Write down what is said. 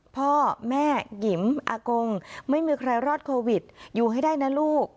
พ่อแม่หยิมอากงไม่มีใครรอดโควิดอยู่ให้ได้นะลูก